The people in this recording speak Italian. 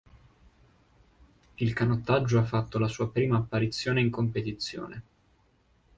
Il canottaggio ha fatto la sua prima apparizione in competizione.